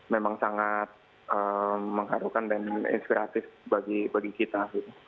memang sangat mengharukan dan inspiratif bagi kita